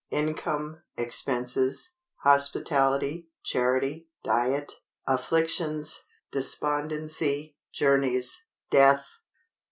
Income—Expenses—Hospitality—Charity—Diet—Afflictions—Despondency— Journeys—Death.